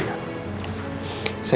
saya gak ngerasa direpotin kok pak